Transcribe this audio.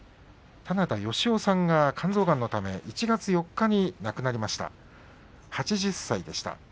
棚田好男さんが肝臓がんのため１月４日に亡くなりました。